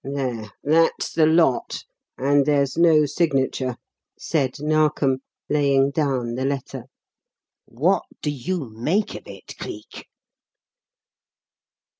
"There, that's the lot, and there's no signature," said Narkom, laying down the letter. "What do you make of it, Cleek?"